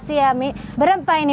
ini berapa borsik ini